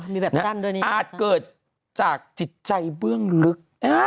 มีแบบสั้นด้วยนี่อาจเกิดจากจิตใจเบื้องลึก